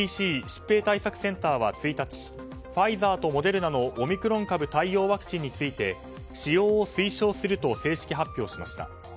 ＣＤＣ・疾病対策センターは１日ファイザーとモデルナのオミクロン株対応ワクチンについて使用を推奨すると正式発表しました。